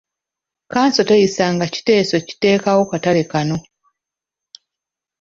Kkanso teyisanga kiteeso kiteekawo katale kano.